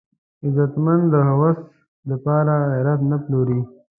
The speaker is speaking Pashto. غیرتمند د هوس د پاره غیرت نه پلوري